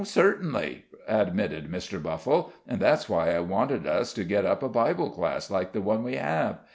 "Certainly," admitted Mr. Buffle, "and that's why I wanted us to get up a Bible class like the one we have.